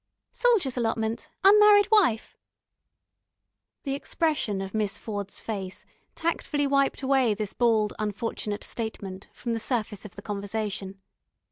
"Soldier's allotment. Unmarried wife." The expression of Miss Ford's face tactfully wiped away this bald unfortunate statement from the surface of the conversation.